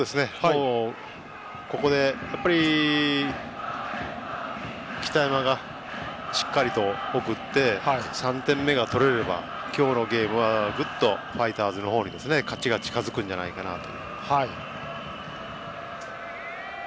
ここで北山がしっかりと送って３点目が取れれば今日のゲームはぐっとファイターズの方に勝ちが近づくんじゃないかと。